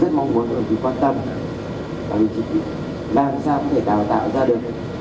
rất mong muốn được những quan tâm và những chi tiết làm sao để tạo tạo ra được nội ngũ người nào để công nghệ của hoa kỳ